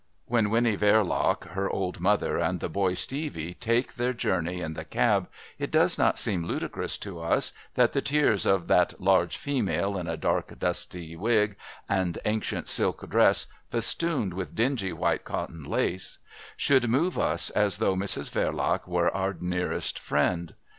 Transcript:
When Winnie Verloc, her old mother and the boy Stevie take their journey in the cab it does not seem ludicrous to us that the tears of "that large female in a dark, dusty wig, and ancient silk dress festooned with dingy white cotton lace" should move us as though Mrs Verloc were our nearest friend.